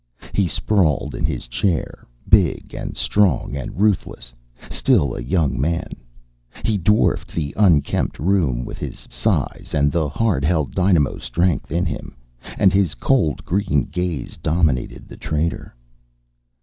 He sprawled in his chair, big and strong and ruthless, still a young man. He dwarfed the unkempt room with his size and the hard held dynamo strength in him, and his cold green gaze dominated the trader.